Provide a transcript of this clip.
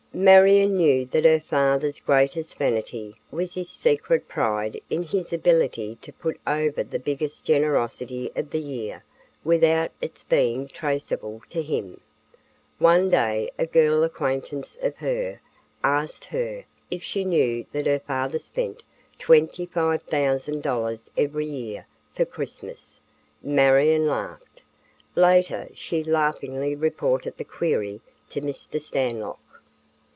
Marion knew that her father's greatest vanity was his secret pride in his ability to put over the biggest generosity of the year without its being traceable to him. One day a girl acquaintance of her asked her if she knew that her father spent $25,000 every year for Christmas. Marion laughed; later she laughingly reported the query to Mr. Stanlock.